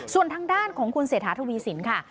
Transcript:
ส่วนทางด้านของคุณเศรษฐาทวีสินค่ะ